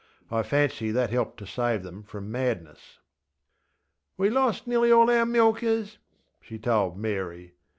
I fancy that that helped save them from madness. ŌĆśWe lost nearly all our milkers, ŌĆÖ she told Mary.